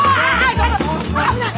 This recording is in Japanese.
ちょっと危ない！